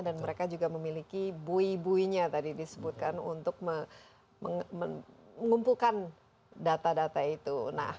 dan mereka juga memiliki bui bui nya tadi disebutkan untuk mengumpulkan data data itu